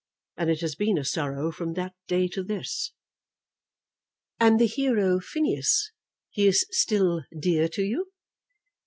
And it has been a sorrow from that day to this." "And the hero, Phineas, he is still dear to you?"